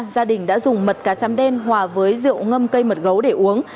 gia đình đã dùng mật cá chấm đen hòa với rượu ngâm cây mật gấu để uống